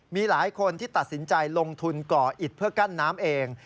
มีหลายคนที่ตัดสินใจลงทุนก่ออิดเพื่อกั้นน้ำเอง